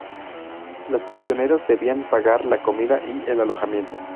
Los prisioneros debían pagar la comida y el alojamiento.